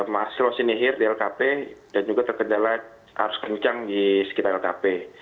masih losinihir di lkp dan juga terkenjalan arus kencang di sekitar lkp